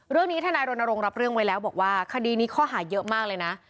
ทนายรณรงค์รับเรื่องไว้แล้วบอกว่าคดีนี้ข้อหาเยอะมากเลยนะ